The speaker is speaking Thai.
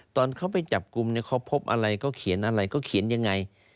ตอนเขาไปจับกลุ่มเนี่ยเขาพบอะไรเขาเขียนอะไรก็เขียนยังไง